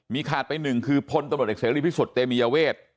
ขาดไปหนึ่งคือพลตำรวจเอกเสรีพิสุทธิ์เตมียเวท